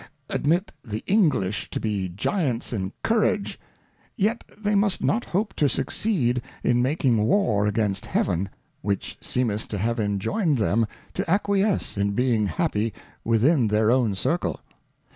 Admit the English to be Giants in Courage, yet they must not hope to succeed in making War against Heaven, which seemeth to have enjoyned them to acquiesce in being happy within their own Circle.